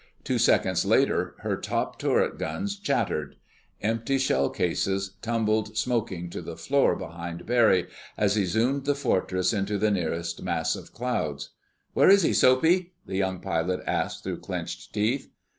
Two seconds later her top turret guns chattered. Empty shell cases tumbled smoking to the floor behind Barry, as he zoomed the Fortress into the nearest mass of clouds. "Where is he, Soapy?" the young pilot asked through clenched teeth.